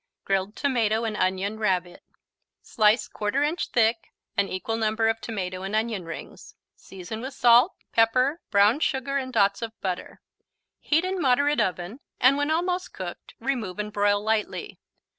Grilled Tomato and Onion Rabbit Slice 1/4 inch thick an equal number of tomato and onion rings. Season with salt, pepper, brown sugar and dots of butter. Heat in moderate oven, and when almost cooked remove and broil lightly.